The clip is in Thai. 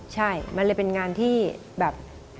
ใช่มันเลยเป็นงานที่แบบ